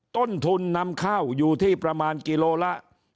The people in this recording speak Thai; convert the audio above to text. ต้นทุนนำเข้าอยู่ที่ประมาณกิโลละ